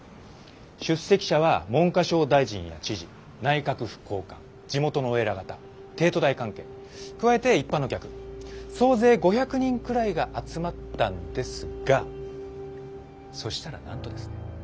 出席者は文科省大臣や知事内閣府高官地元のお偉方帝都大関係加えて一般の客総勢５００人くらいが集まったんですがそしたらなんとですね